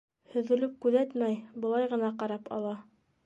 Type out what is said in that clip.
Һөҙөлөп күҙәтмәй, былай ғына ҡарап ала.